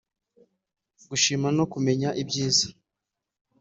gushima no kumenya ibyiza